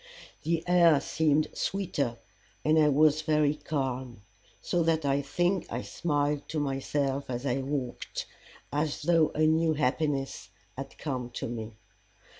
The air seemed sweeter, and I was very calm, so that I think I smiled to myself as I walked, as though a new happiness had come to me.